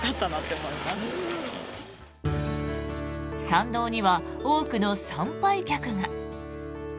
参道には多くの参拝客が。